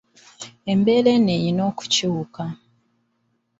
Embeera eno erina okukyuka.